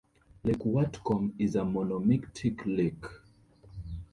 Lake Whatcom is a monomictic lake.